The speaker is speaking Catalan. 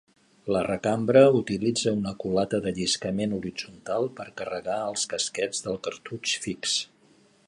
La recambra utilitza una culata de lliscament horitzontal per carregar els casquets del cartutx fix.